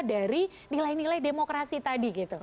dari nilai nilai demokrasi tadi gitu